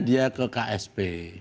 dia ke ksp